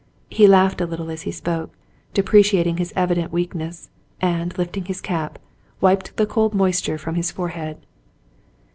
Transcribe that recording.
He laughed a little as he spoke, deprecating his evident weak ness, and, lifting his cap, wiped the cold moisture from his forehead.